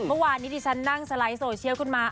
เมื่อวานนี้ดิฉันนั่งสไลด์โซเชียลขึ้นมา